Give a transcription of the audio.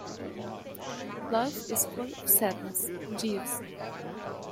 Life is full of sadness, Jeeves.